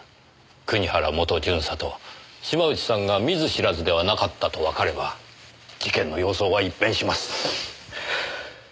国原元巡査と島内さんが見ず知らずではなかったとわかれば事件の様相は一変します。